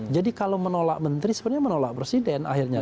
jadi kalau menolak menteri sebenarnya menolak presiden akhirnya